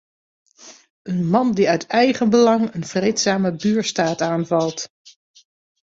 Een man die uit eigenbelang een vreedzame buurstaat aanvalt.